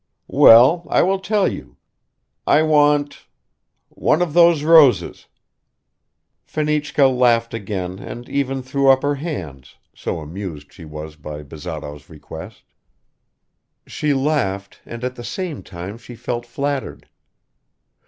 "Well, I will tell you; I want one of those roses." Fenichka laughed again and even threw up her hands so amused she was by Bazarov's request. She laughed and at the same time she felt flattered.